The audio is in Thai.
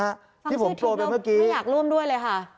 ฟังชื่อทริปแล้วไม่อยากร่วมด้วยเลยค่ะ